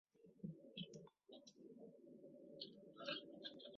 即发生某反应所需要达到的条件要求。